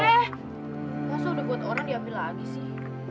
eh masa udah buat orang diambil lagi sih